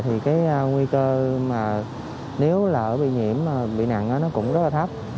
thì cái nguy cơ mà nếu là ở bị nhiễm bị nặng nó cũng rất là thấp